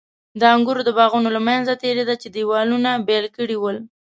د انګورو د باغونو له منځه تېرېده چې دېوالونو بېل کړي ول.